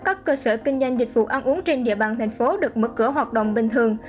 các cơ sở kinh doanh dịch vụ ăn uống trên địa bàn thành phố được mở cửa hoạt động bình thường